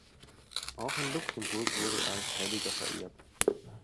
Auch in Luxemburg wurde er als Heiliger verehrt.